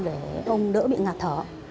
để ông đỡ bị ngạt thở